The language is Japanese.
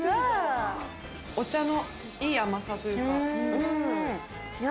お茶のいい甘さというか。